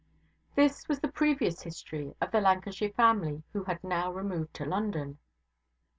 This was the previous history of the Lancashire family who had now removed to London.